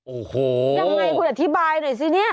โอ้โหยังไงคุณอธิบายหน่อยสิเนี่ย